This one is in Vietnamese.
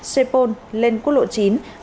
sê pôn lên quốc lộ chín